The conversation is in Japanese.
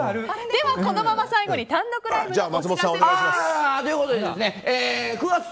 では、このまま最後に単独ライブのお知らせです。